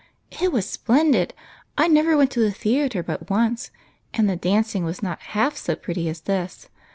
" It was splendid ! I never went to the theatre but once, and the dancing was not half so pretty as this.